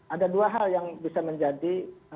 ada dua hal yang bisa menjadi